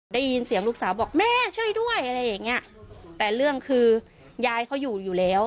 ได้ยินเสียงลูกสาวบอกแม่ช่วยด้วยอะไรอย่างเงี้ยแต่เรื่องคือยายเขาอยู่อยู่แล้ว